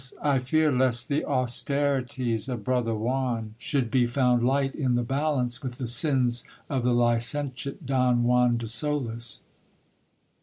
I fear lest the austerities of brother Juan should be found light in the balance with the sins of the licentiate Don Juan de Solis."